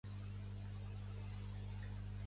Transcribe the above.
Pertany al moviment independentista la Susanna?